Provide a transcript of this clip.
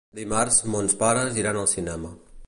Dimarts mons pares iran al cinema.